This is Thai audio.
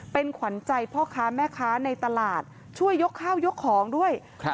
เป็นขวัญใจพ่อค้าแม่ค้าในตลาดช่วยยกข้าวยกของด้วยครับ